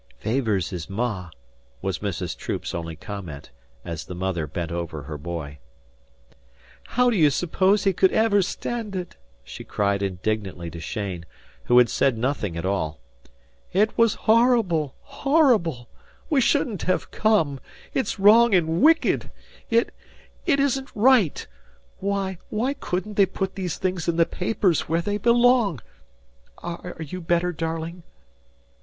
"Favours his ma," was Mrs. Troop's only comment, as the mother bent over her boy. "How d'you suppose he could ever stand it?" she cried indignantly to Cheyne, who had said nothing at all. "It was horrible horrible! We shouldn't have come. It's wrong and wicked! It it isn't right! Why why couldn't they put these things in the papers, where they belong? Are you better, darling?"